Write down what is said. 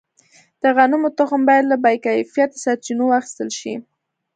د غنمو تخم باید له باکیفیته سرچینو واخیستل شي.